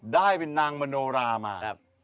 ได้เป็นนางมโนรามา